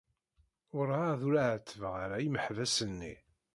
Werɛad ur ɛettbeɣ ara imeḥbas-nni.